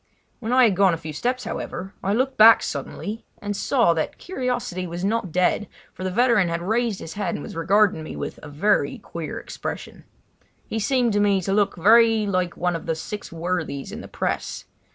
When I had gone a few steps, however, I looked back suddenly, and saw that curiosity was not dead, for the veteran had raised his head and was regarding me with a very queer expression. He seemed to me to look very like one of the six worthies in the press.